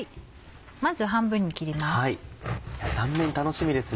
まず半分に切ります。